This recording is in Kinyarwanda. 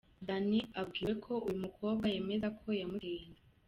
Danny abwiwe ko uyu mukobwa yemeza ko yamuteye inda,.